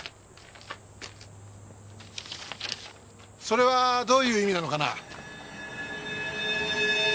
それはどういう意味なのかな？